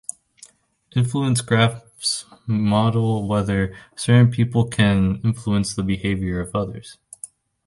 Influence graphs model whether certain people can influence the behavior of others.